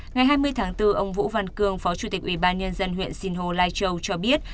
ngày hai mươi tháng bốn ông vũ văn cương phó chủ tịch ubnd huyện sinh hồ lai châu cho biết